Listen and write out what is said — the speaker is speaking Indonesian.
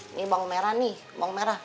ini bawang merah nih